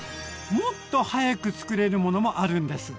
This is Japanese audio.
もっと早く作れるものもあるんです！